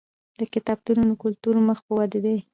د کتابتونونو کلتور مخ په ودې دی.